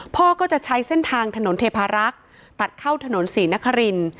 พ่อก็จะใช้เส้นทางถนนเทพารักษ์ตัดเข้าถนนศรีนคริน